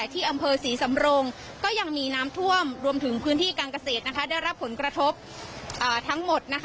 ที่อำเภอศรีสำรงก็ยังมีน้ำท่วมรวมถึงพื้นที่การเกษตรได้รับผลกระทบทั้งหมด